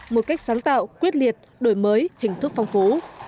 một cách sáng tạo quyết liệt đổi mới hình thức phong phú